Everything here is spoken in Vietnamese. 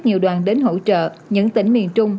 nhiều đoàn đến hỗ trợ những tỉnh miền trung